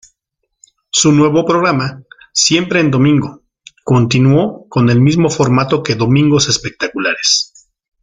Su nuevo programa, "Siempre en Domingo", continuó con el mismo formato que "Domingos Espectaculares".